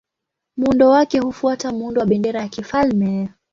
Muundo wake hufuata muundo wa bendera ya kifalme.